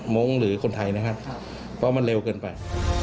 มงค์หรือคนไทยนะครับเพราะมันเร็วเกินไป